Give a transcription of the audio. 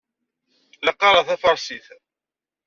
La qqareɣ tafarsit.